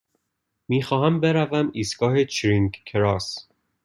می خواهم بروم ایستگاه چرینگ کراس.